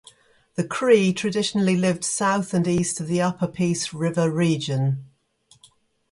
The Cree traditionally lived south and east of the Upper Peace River region.